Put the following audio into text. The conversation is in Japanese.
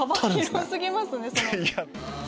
幅広過ぎますね。